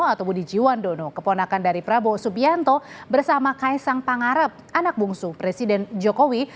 atau budi jiwandono keponakan dari prabowo subianto bersama kaisang pangarep anak bungsu presiden jokowi